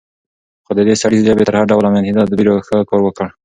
خو د دې سړي ژبې تر هر ډول امنيتي تدابيرو ښه کار وکړ.